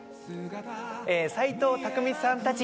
斎藤工さんたち